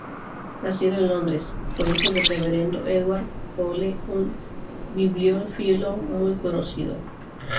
Nacido en Londres, fue hijo del reverendo Edward Poole, un bibliófilo muy conocido.